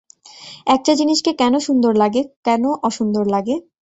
একটা জিনিসকে কেন সুন্দর লাগে, কোন অসুন্দর লাগে?